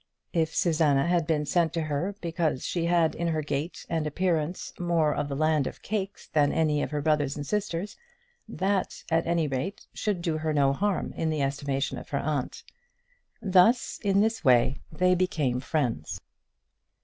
If Susanna had been sent to her because she had in her gait and appearance more of the land of cakes than any of her brothers and sisters, that at any rate should do her no harm in the estimation of her aunt. Thus in this way they became friends.